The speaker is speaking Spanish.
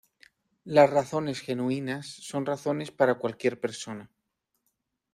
Las razones genuinas son razones para cualquier persona.